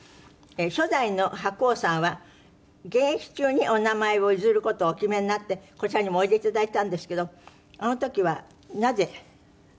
初代の白鸚さんは現役中にお名前を譲る事をお決めになってこちらにもおいでいただいたんですけどあの時はなぜ？